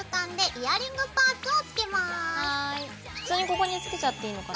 普通にここにつけちゃっていいのかな？